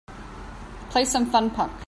Play some fun-punk